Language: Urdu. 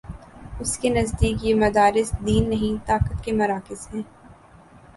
اس کے نزدیک یہ مدارس دین نہیں، طاقت کے مراکز ہیں۔